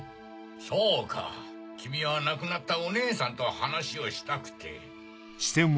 そうか君は亡くなったお姉さんと話をしたくて。